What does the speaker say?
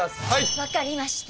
分かりました。